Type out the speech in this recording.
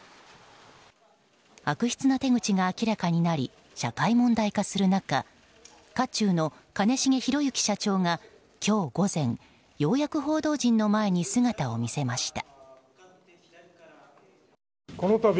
悪質な手口が明らかになり社会問題化する中渦中の兼重宏行社長が今日午前ようやく報道陣の前に姿を見せました。